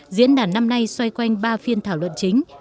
diễn đàn năm nay xoay quanh ba phiên thảo luận chính